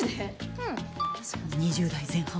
２０代前半。